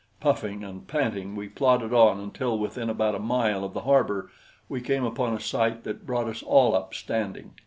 Puffing and panting, we plodded on until within about a mile of the harbor we came upon a sight that brought us all up standing.